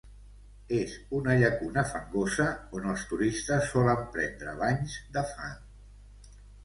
És una llacuna fangosa on els turistes solen prendre banys de fang.